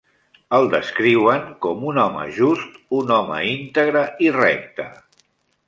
El descriuen com un "home just", un home íntegre i recte.